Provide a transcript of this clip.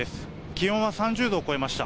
気温は３０度を超えました。